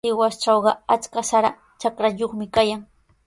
Sihuastrawqa achka sara trakrayuqmi kayan.